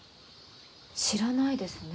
知らないですね。